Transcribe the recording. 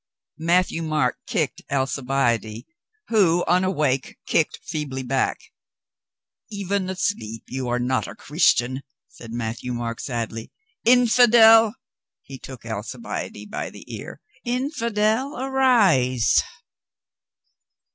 Matthieu Marc kicked Alcibiade, who, unawake, kicked feebly back. "Even asleep you are not a Christian," said Matthieu Marc sadly. "Infidel!" he took Alcibiade by the ear. "Infidel, arise!"